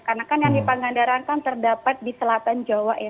karena kan yang di pangandaran kan terdapat di selatan jawa ya